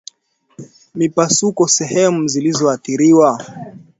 Mipasuko sehemu zilizoathiriwa